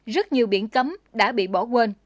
rất nhiều biển cấm đã bị bỏ quên